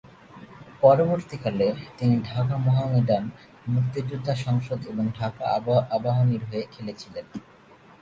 পরবর্তীকালে, তিনি ঢাকা মোহামেডান, মুক্তিযোদ্ধা সংসদ এবং ঢাকা আবাহনীর হয়ে খেলেছিলেন।